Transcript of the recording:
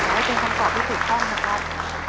ให้เป็นคำตอบที่ถูกต้องนะครับ